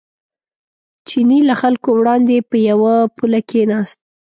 چیني له خلکو وړاندې په یوه پوله کېناست.